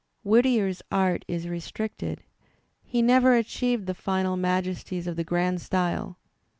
Whittier's art is restricted. He never achieved the final majesties of the grand style.